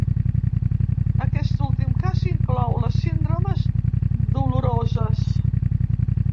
Aquest últim cas inclou les síndromes doloroses.